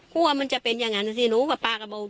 กลัวมันจะเป็นอย่างนั้นสิหนูก็ปากระโบบอยู่นะ